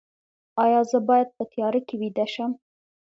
ایا زه باید په تیاره کې ویده شم؟